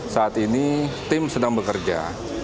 saat ini tim sedang bekerja